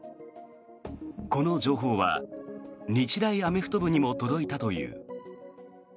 この情報は日大アメフト部にも届いたという。